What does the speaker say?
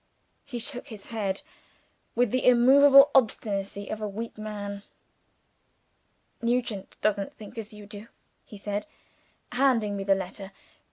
He shook his head, with the immovable obstinacy of a weak man. "Nugent doesn't think as you do," he said, handing me the letter.